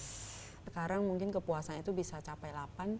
sekarang mungkin kepuasan itu bisa capai delapan